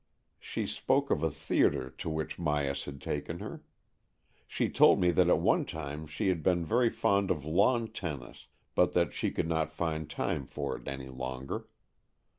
She spoke of a theatre to which Myas had taken her. She^ told me that at one time she had been very fond of lawn tennis, but that she could not find time for it any longer.